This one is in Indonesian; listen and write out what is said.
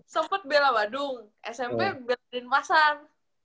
sempet bela badung smp belain pasar